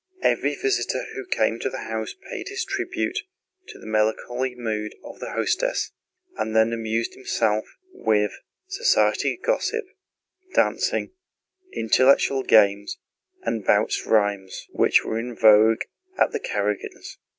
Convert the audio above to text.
Every visitor who came to the house paid his tribute to the melancholy mood of the hostess, and then amused himself with society gossip, dancing, intellectual games, and bouts rimés, which were in vogue at the Karágins'.